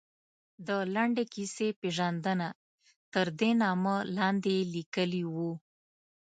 د لنډې کیسې پېژندنه، تردې نامه لاندې یې لیکلي وو.